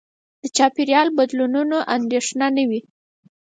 د چاپېریال بدلونونو اندېښنه نه وي.